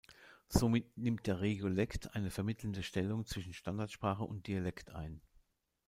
Somit nimmt der Regiolekt eine vermittelnde Stellung zwischen Standardsprache und Dialekt ein.